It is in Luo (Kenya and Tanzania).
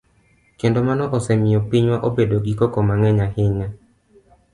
Kendo mano osemiyo pinywa obedo gi koko mang'eny ahinya.